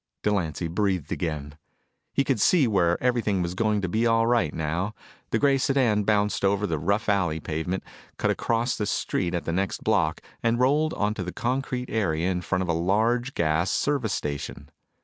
Delancy breathed again. He could see where everything was going to be all right now. The gray sedan bounced over the rough alley pavement, cut across the street at the next block, and rolled onto the concrete area in front of a large gas service station.